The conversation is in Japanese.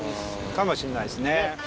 かもしんないですね。